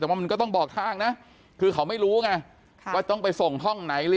แต่ว่ามันก็ต้องบอกทางนะคือเขาไม่รู้ไงว่าต้องไปส่งห้องไหน